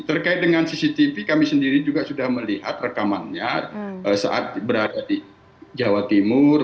terkait dengan cctv kami sendiri juga sudah melihat rekamannya saat berada di jawa timur